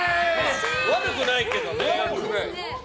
悪くないけどね。